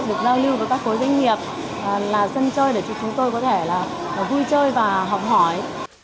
được giao lưu với các khối doanh nghiệp là sân chơi để cho chúng tôi có thể là vui chơi và học hỏi